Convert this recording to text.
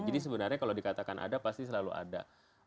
jadi sebenarnya kalau dikatakan ada pasti selalu ada